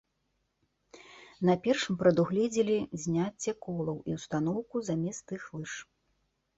На першым прадугледзелі зняцце колаў і ўстаноўку замест іх лыж.